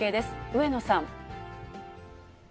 上野さん。